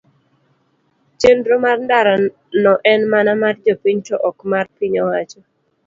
chenro mar ndara no en mana mar jopiny to ok mar piny owacho.